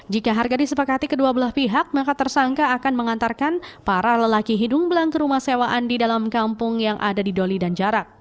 jika harga disepakati kedua belah pihak maka tersangka akan mengantarkan para lelaki hidung belang ke rumah sewaan di dalam kampung yang ada di doli dan jarak